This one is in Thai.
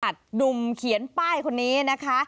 อัดดุมเขียนป้ายคนนี้นะคะ